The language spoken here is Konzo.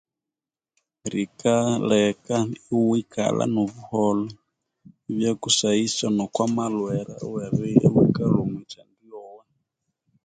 Likaleka iwi kalha bobuholho noku malhwere awa... Poor voice